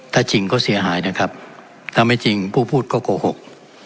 ถ้าจริงก็เสียหายนะครับถ้าไม่จริงผู้พูดก็โกหก